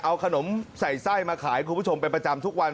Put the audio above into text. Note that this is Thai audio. เอาขนมใส่ไส้มาขายคุณผู้ชมเป็นประจำทุกวัน